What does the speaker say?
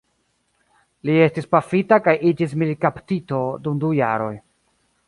Li estis pafita kaj iĝis militkaptito dum du jaroj.